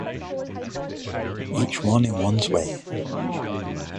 Each one in one's way.